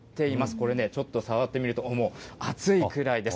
これね、ちょっと触ってみると、もう熱いくらいです。